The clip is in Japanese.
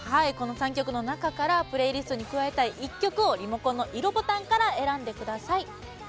この３曲の中からプレイリストに加えたい１曲をリモコンの色ボタンから選んでください。